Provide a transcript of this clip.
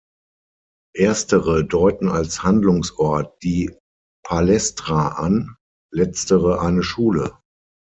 Erstere deuten als Handlungsort die Palästra an, letztere eine Schule.